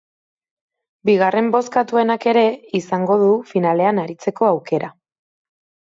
Bigarren bozkatuenak ere izango du finalean aritzeko aukera.